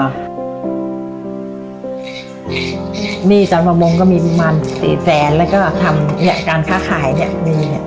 หนี้จันทร์ประมวงก็มีประมาณ๔แสนแล้วก็ทำการค่าขายอย่างนี้